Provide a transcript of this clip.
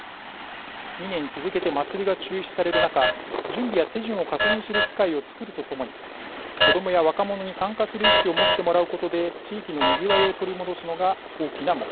２年続けて祭りが中止される中準備や手順を確認する機会をつくるとともに子どもや若者に参加する意識を持ってもらうことで地域のにぎわいを取り戻すのが大きな目的です。